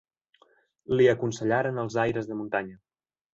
Li aconsellaren els aires de muntanya.